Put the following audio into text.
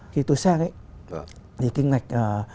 khi tôi sang ấy thì kinh ngạch